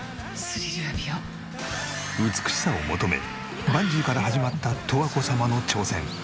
美しさを求めバンジーから始まった十和子様の挑戦。